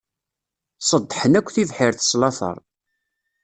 Ṣeddḥen akk tibḥirt s later.